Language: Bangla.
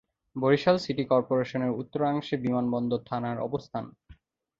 বরিশাল সিটি কর্পোরেশনের উত্তরাংশে বিমানবন্দর থানার অবস্থান।